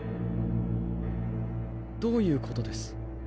どういうことです？